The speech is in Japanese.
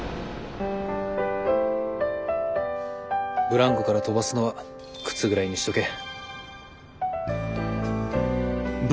ブランコから飛ばすのは靴ぐらいにしとけ。